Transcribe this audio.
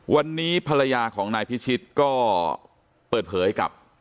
วันนี้ภรรยาของนายพิชิตก็เปิดเผยกับ